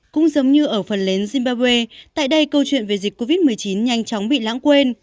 cũng giống như ở phần lớn zimbabwe tại đây câu chuyện về dịch covid một mươi chín nhanh chóng bị lãng quên